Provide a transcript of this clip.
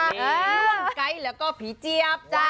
ล่วงไกรและก็ผีเจี๊ยบ